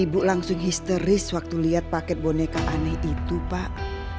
ibu langsung histeris waktu lihat paket boneka aneh itu pak